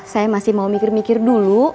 saya masih mau mikir mikir dulu